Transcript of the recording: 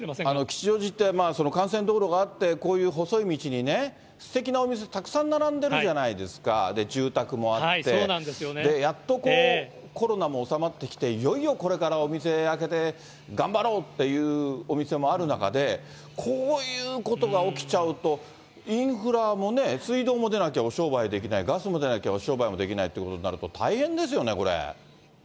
吉祥寺って幹線道路があって、こういう細い道にすてきなお店たくさん並んでるじゃないですか、住宅もあって、やっとこう、コロナも収まってきて、いよいよこれからお店開けて、頑張ろうっていうお店もある中で、こういうことが起きちゃうと、インフラもね、水道も出なきゃお商売できない、ガスも出なきゃお商売できない、大変ですよね、これ。